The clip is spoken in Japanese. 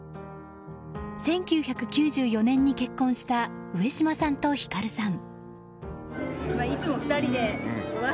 １９９４年に結婚した上島さんと光さん。